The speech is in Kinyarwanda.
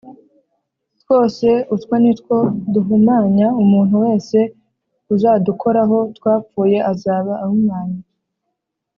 Twose utwo ni two duhumanye umuntu wese uzadukoraho twapfuye azaba ahumanye